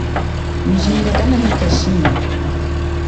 Mujinga kanahika shima.